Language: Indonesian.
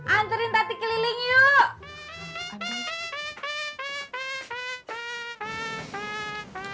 anterin tati keliling yuk